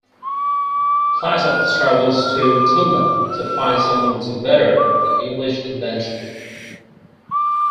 Platov travels to Tula to find someone to better the English invention.